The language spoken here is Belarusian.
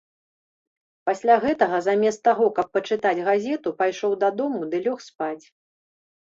Пасля гэтага, замест таго, каб пачытаць газету, пайшоў дадому ды лёг спаць.